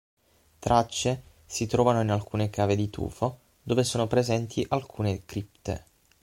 Tracce si trovano in alcune cave di tufo, dove sono presenti alcune cripte.